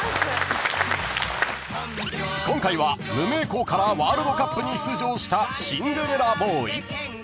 ［今回は無名校からワールドカップに出場したシンデレラボーイ］